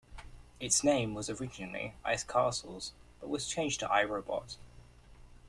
Its name was originally "Ice Castles", but was changed to "I, Robot".